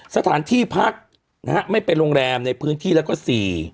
สถานที่พักนะฮะไม่เป็นโรงแรมในพื้นที่แล้วก็สี่